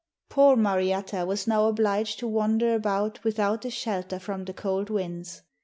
Poor Mariatta was now obliged to wander about without a shelter from the cold winds.